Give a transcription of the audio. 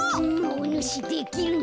おぬしできるな。